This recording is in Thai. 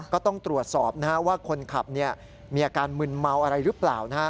ก็ต้องตรวจสอบว่าคนขับมีอาการมึนเมาอะไรหรือเปล่า